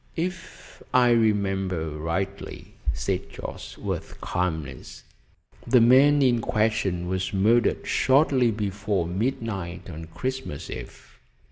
"If I remember rightly," said Jorce with calmness, "the man in question was murdered shortly before midnight on Christmas Eve.